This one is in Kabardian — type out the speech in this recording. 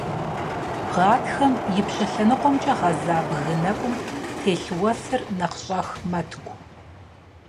Гъатхэм ипщэ лъэныкъуэмкӀэ гъэза бгы нэкӀум телъ уэсыр нэхъ щӀэх мэткӀу.